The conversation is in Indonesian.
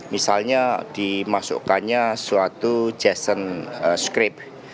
misalnya dimasukkannya suatu jason script